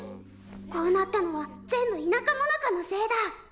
こうなったのは全部田舎もなかのせいだ！